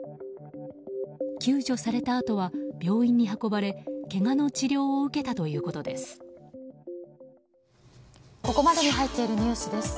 救助されたあとは病院に運ばれけがの治療を受けたということです。